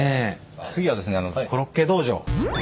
次はですねコロッケ道場。